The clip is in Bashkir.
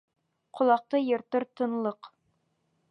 Ҡолаҡты йыртыр тынлыҡ.